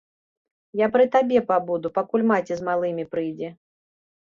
Я пры табе пабуду, пакуль маці з малымі прыйдзе.